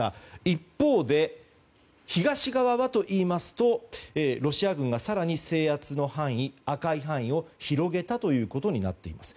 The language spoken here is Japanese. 一方で、東側はといいますとロシア軍が更に制圧の範囲赤い範囲を広げたとなっています。